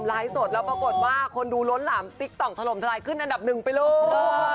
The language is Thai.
สดแล้วปรากฏว่าคนดูล้นหลามติ๊กตองถล่มทลายขึ้นอันดับหนึ่งไปเลย